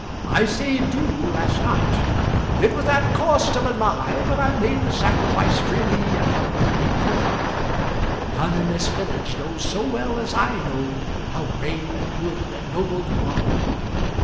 I saved you last night. It was at cost of a lie, but I made the sacrifice freely, and out of a grateful heart. None in this village knows so well as I know how brave and good and noble you are.